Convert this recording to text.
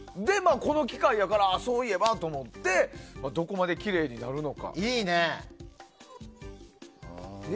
この機会やからそういえばと思ってどこまできれいになるのか。